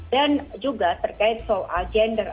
juga terkait soal gender